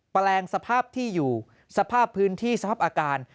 แปลงสภาพที่อยู่สภาพพื้นที่สภาพอากาศ